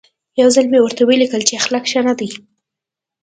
یو ځل مې ورته ولیکل چې اخلاق ښه نه دي.